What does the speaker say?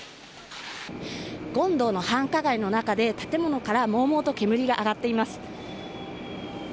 権堂の繁華街の中で建物からもうもうと煙が上がっています。